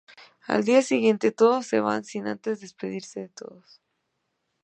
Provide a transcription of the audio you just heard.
Al día siguiente todos se van sin antes despedirse de todos.